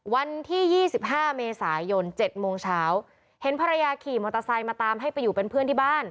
วันที่๒๕เมษายน๗โมงเช้าเห็นภรรยาขี่มอเตอร์ไซค์มาตามให้ไปอยู่เป็นเพื่อนที่บ้าน